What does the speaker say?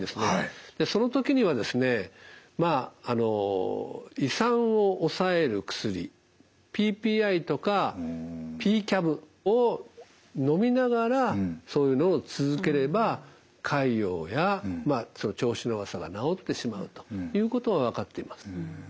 その時には胃酸を抑える薬ＰＰＩとかＰーＣＡＢをのみながらそういうのを続ければ潰瘍やその調子の悪さが治ってしまうということが分かっています。